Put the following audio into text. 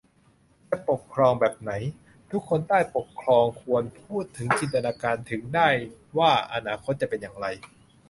จะปกครองแบบไหน ทุกคนใต้ปกครองควรพูดถึงจินตนาการถึงได้ว่าอนาคตจะเป็นอย่างไร